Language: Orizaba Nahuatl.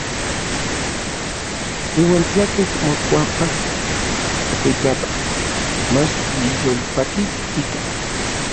Iuan tlakej mokuapa tlakuitlapan, mach niyolpakis ika.